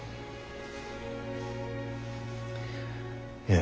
え？